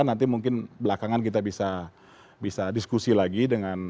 nanti mungkin belakangan kita bisa diskusi lagi dengan